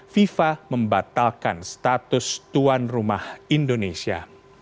fifa membatalkan status tuan rumah indonesia